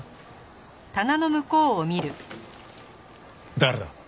誰だ！？